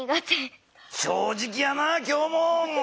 正直やな今日も。